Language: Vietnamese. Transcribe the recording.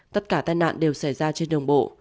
tất cả tai nạn đều xảy ra trên đường bộ